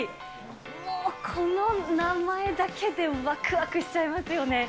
もうこの名前だけでわくわくしちゃいますよね。